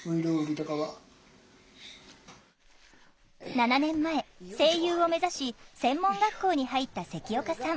７年前声優を目指し専門学校に入った関岡さん。